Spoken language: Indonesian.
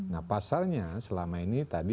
nah pasarnya selama ini tadi sudah beres